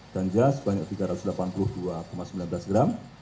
ganja sebanyak tiga ratus delapan puluh dua sembilan belas gram